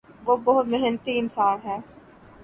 وہ بہت محنتی انسان ہے۔